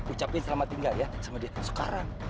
ucapin selamat tinggal ya sama dia sekarang